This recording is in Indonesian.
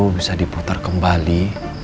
bisa diputar kembali